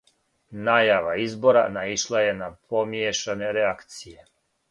Најава избора наишла је на помијешане реакције.